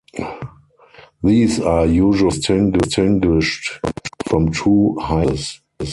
These are usually distinguished from true high crosses.